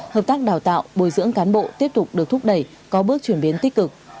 hợp tác đào tạo bồi dưỡng cán bộ tiếp tục được thúc đẩy có bước chuyển biến tích cực